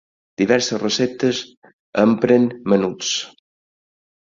Diverses receptes empren menuts.